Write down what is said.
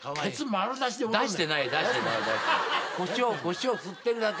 腰を振ってるだけ。